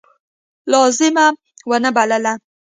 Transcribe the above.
لازمه ونه بلله.